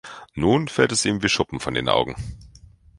Nun fällt es ihm wie Schuppen von den Augen.